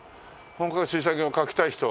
「本格的に水彩画を描きたい人」